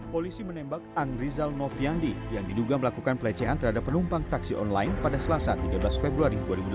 polisi menembak angrizal nofyandi yang diduga melakukan pelecehan terhadap penumpang taksi online pada selasa tiga belas februari dua ribu delapan belas